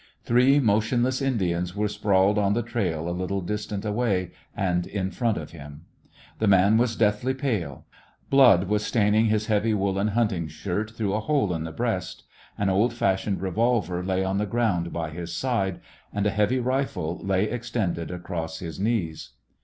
Three motionless Indians were sprawled on the trail a little dis tance away and in front of him. The man was deathly pale. Blood was staining his heavy woolen hmiting shirt through a hole in the breast. An old fashioned revolver lay on the ground by his side and a heavy rifle lay extended across his knees.